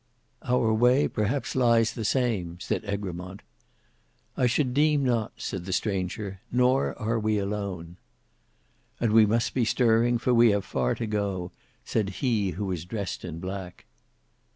"Our way perhaps lies the same," said Egremont. "I should deem not," said the stranger, "nor are we alone." "And we must be stirring, for we have far to go," said he who was dressed in black.